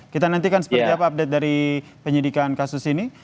kita nantikan seperti apa update dari penyidikan kasus ini